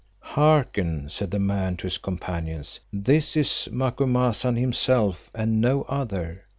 "Hearken," said the man to his companions, "this is Macumazahn himself and no other.